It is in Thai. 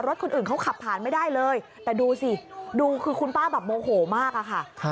คนอื่นเขาขับผ่านไม่ได้เลยแต่ดูสิดูคือคุณป้าแบบโมโหมากอะค่ะ